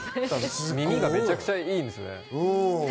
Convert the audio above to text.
耳がめちゃくちゃいいんですよね。